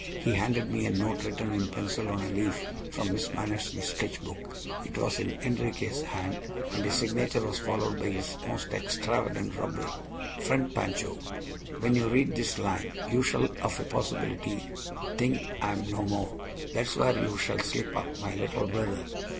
He handed me a note written in pencil on a leaf from Miss Mannersley's sketchbook. It was in Enriquez' hand, and his signature was followed by his most extravagant rubric. Friend Pancho: When you read this line you shall of a possibility think I am no more. That is where you shall slip up, my little brother!